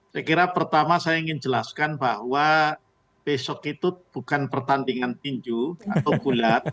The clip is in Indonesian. saya kira pertama saya ingin jelaskan bahwa besok itu bukan pertandingan tinju atau gulat